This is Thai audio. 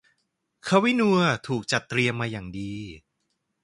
ควินัวถูกจัดเตรียมมาอย่างดี